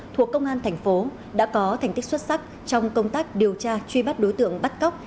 thuộc công an thành phố đã có thành tích xuất sắc trong công tác điều tra truy bắt đối tượng bắt cóc